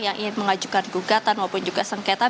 yang ingin mengajukan gugatan maupun juga sengketa